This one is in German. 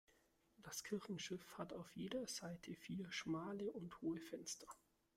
Das Kirchenschiff hat auf jeder Seite vier schmale und hohe Fenster.